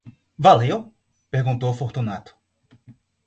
Valeu? perguntou Fortunato.